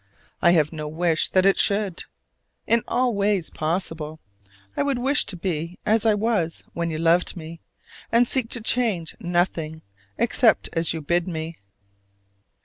I have no wish that it should. In all ways possible I would wish to be as I was when you loved me; and seek to change nothing except as you bid me.